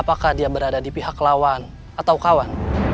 apakah dia berada di pihak lawan atau kawan